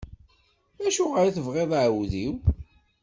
Acuɣer i tebɣiḍ aɛewdiw?